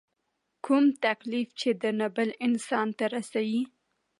کوم تکليف چې درنه بل انسان ته رسي